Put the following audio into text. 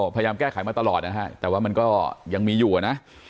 พยายามแก้ไขมาตลอดนะฮะแต่ว่ามันก็ยังมีอยู่นะ